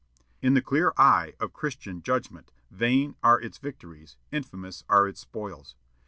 In the clear eye of Christian judgment, vain are its victories, infamous are its spoils.